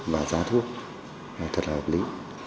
và giá thuốc thật là hợp lý